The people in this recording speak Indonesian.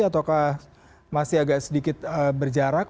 ataukah masih agak sedikit berjarak